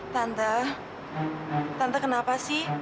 tante tante kenapa sih